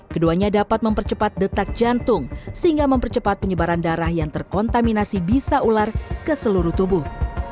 keduanya dapat mempercepat detak jantung sehingga mempercepat penyebaran darah yang terkontaminasi bisa ular ke seluruh tubuh